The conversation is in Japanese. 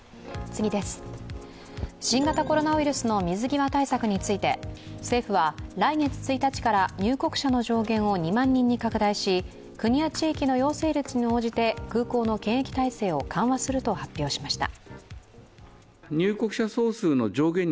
新型コロナウイルスの水際対策について政府は来月１日から入国者の上限を２万人に拡大し、国や地域の陽性率に応じて空港の検疫体制を緩和すると発表しました。